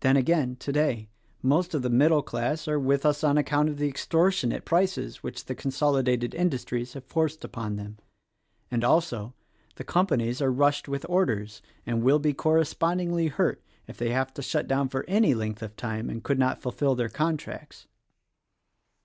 Then again, today, most of the middle class are with us on account of the extortionate prices which the consolidated industries have forced upon them, and also, the companies are rushed with orders and will be correspondingly hurt if they have to shut down for any length of time and could not fulfill their contracts."